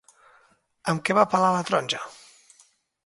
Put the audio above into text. Amb què va pelar la taronja?